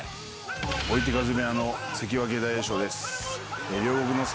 追手風部屋の関脇大栄翔です。